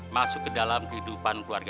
masuk ke dalam kehidupan gue maksudnya